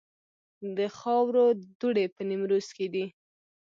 د خاورو دوړې په نیمروز کې دي